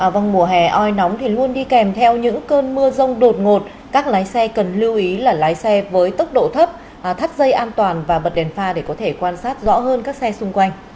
vâng mùa hè oi nóng thì luôn đi kèm theo những cơn mưa rông đột ngột các lái xe cần lưu ý là lái xe với tốc độ thấp thắt dây an toàn và bật đèn pha để có thể quan sát rõ hơn các xe xung quanh